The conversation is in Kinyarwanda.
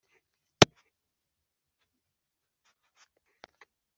Ikoreza uwiteka imitwaro yawe yose